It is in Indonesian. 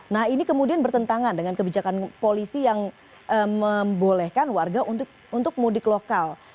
nah ini kemudian bertentangan dengan kebijakan polisi yang membolehkan warga untuk mudik lokal